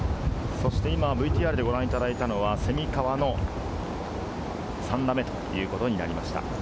今、ＶＴＲでご覧いただいたのは蝉川の３打目ということになりました。